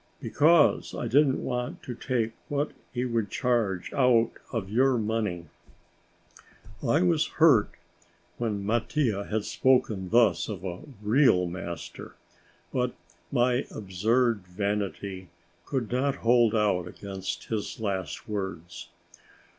"Because I didn't want to take what he would charge out of your money." I was hurt when Mattia had spoken thus of a real master, but my absurd vanity could not hold out against his last words.